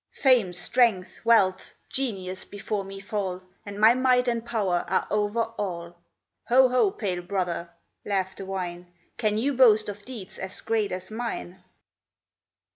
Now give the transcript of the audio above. Fame, strength, wealth, genius, before me fall, And my might and power are over all. Ho! ho! pale brother," laughed the wine, "Can you boast of deeds as great as mine?"